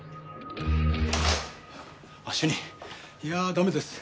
主任いや駄目です。